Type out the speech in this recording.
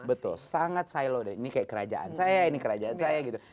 betul sangat silo dan ini kayak kerajaan saya ini kerajaan saya gitu